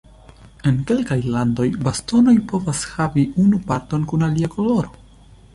En kelkaj landoj bastonoj povas havi unu parton kun alia koloro.